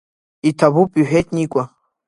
Иҭабуп, — иҳәеит Никәа.